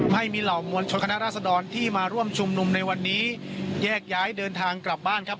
ให้มีเหล่ามวลชนคณะราษดรที่มาร่วมชุมนุมในวันนี้แยกย้ายเดินทางกลับบ้านครับ